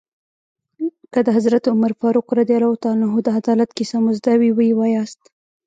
که د حضرت عمر فاروق رض د عدالت کیسه مو زده وي ويې وایاست.